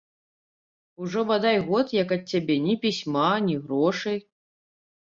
Ужо бадай год, як ад цябе ні пісьма, ні грошай.